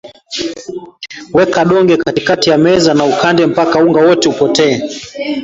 Weka donge katikati ya meza na ukande mpaka unga wote upotee